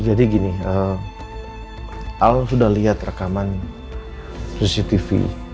jadi gini al sudah lihat rekaman cctv